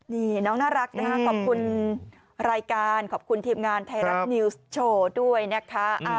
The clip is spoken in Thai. นี่น้องน่ารักนะคะขอบคุณรายการขอบคุณทีมงานไทยรัฐนิวส์โชว์ด้วยนะคะ